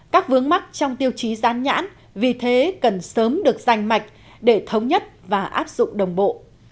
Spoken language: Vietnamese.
các vướng mắt trong tiêu chí dán nhãn vì thế cần sớm được dành mạch để thống nhất và áp dụng đồng bộ